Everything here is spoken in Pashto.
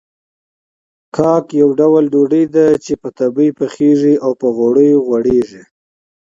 کاک يو ډول ډوډۍ ده چې په تبۍ پخېږي او په غوړيو غوړېږي.